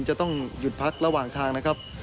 จะต้องหยุดพักระหว่างทางนะครับ